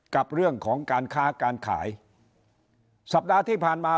กับเรื่องของการค้าการขายสัปดาห์ที่ผ่านมา